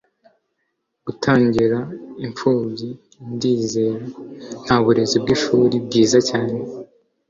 gutangira - impfubyi, ndizera - nta burezi bwishuri, bwiza cyane